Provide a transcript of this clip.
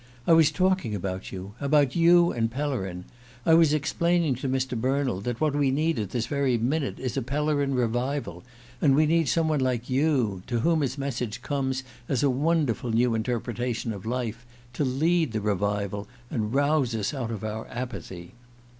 I was talking about you about you and Pellerin. I was explaining to Mr. Bernald that what we need at this very minute is a Pellerin revival; and we need some one like you to whom his message comes as a wonderful new interpretation of life to lead the revival, and rouse us out of our apathy.